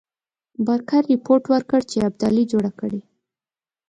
بارکر رپوټ ورکړ چې ابدالي جوړه کړې.